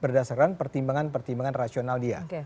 berdasarkan pertimbangan pertimbangan rasional dia